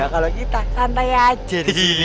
kalau kita santai aja di sini